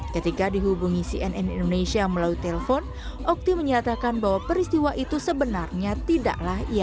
ketika dihubungi cnn indonesia melalui telepon okti menyatakan bahwa peristiwa itu sebenarnya tidaklah ia